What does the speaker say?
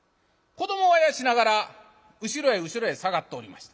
子どもをあやしながら後ろへ後ろへ下がっておりました。